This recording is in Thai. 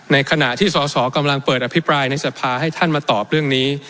ในขณะที่สอสอกำลังเปิดอภิปรายในสภาให้ท่านมาตอบเรื่องนี้